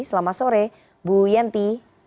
selamat sore bu yenti